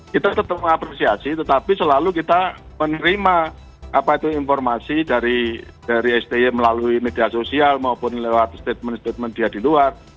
kita tetap mengapresiasi tetapi selalu kita menerima informasi dari sti melalui media sosial maupun lewat statement statement dia di luar